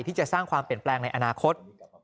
ที่จะสร้างความเปลี่ยนแปลงในอนาคต